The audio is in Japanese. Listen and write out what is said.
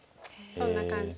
そんな感じ。